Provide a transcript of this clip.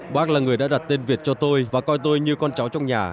bác là người đã đặt tên việt cho tôi và coi tôi như con cháu trong nhà